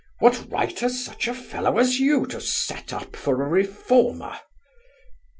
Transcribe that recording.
What right has such a fellow as you to set up for a reformer?